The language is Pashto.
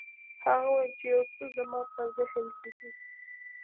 هغه وویل چې یو څه زما په ذهن کې دي.